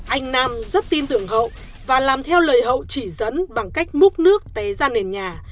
anh nam rất tin tưởng hậu và làm theo lời hậu chỉ dẫn bằng cách múc nước té ra nền nhà